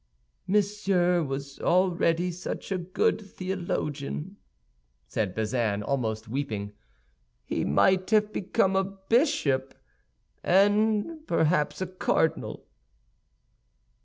"Monsieur was already such a good theologian," said Bazin, almost weeping; "he might have become a bishop, and perhaps a cardinal."